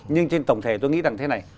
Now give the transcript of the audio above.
nhưng trên tổng thể tôi nghĩ rằng thế này